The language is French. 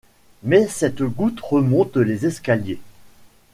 Mais cette goutte remonte les escaliers.